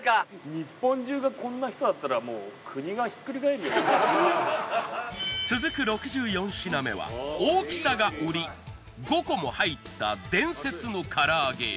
日本中がこんな人だったらもう続く６４品目は大きさが売り５個も入った伝説の唐揚げや。